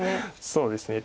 そうですね。